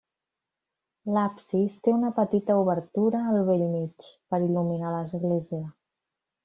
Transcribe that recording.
L'absis té una petita obertura al bell mig, per il·luminar l'església.